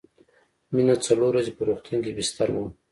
مينه څلور ورځې په روغتون کې بستر وه